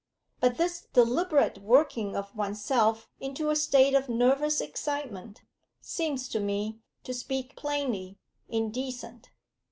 But this deliberate working of oneself into a state of nervous excitement seems to me, to speak plainly, indecent.